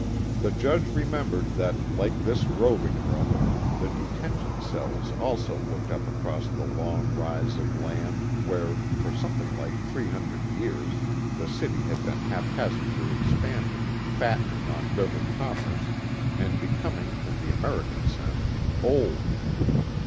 The Judge remembered that, like this robing room, the detention cells also looked up across the long rise of land where, for something like three hundred years, the city had been haphazardly expanding, fattening on river commerce, and becoming in the American sense old.